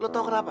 lo tau kenapa